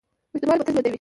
پښتونولي به تل ژوندي وي.